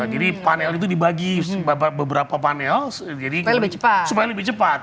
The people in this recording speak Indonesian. jadi panel itu dibagi beberapa panel supaya lebih cepat